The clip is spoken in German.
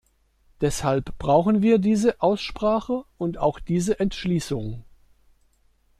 Deshalb brauchen wir diese Aussprache und auch diese Entschließung.